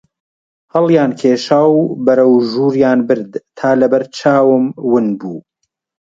هەڵیان کێشا و بەرەو ژووریان برد تا لە بەر چاوم ون بوو